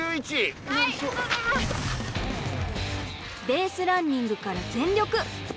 ベースランニングから全力。